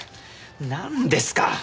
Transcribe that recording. なんですか？